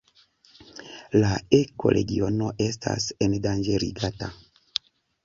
La ekoregiono estas endanĝerigata.